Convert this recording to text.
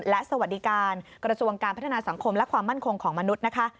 และสวัสดิการกระทรวงการพัฒนาสังคมและความมั่นคงของมนุษย์นะคะ